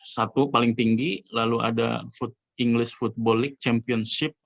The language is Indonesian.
satu paling tinggi lalu ada englist football league championship